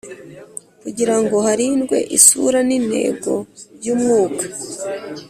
Kugirango harindwe isura n intego y umwuka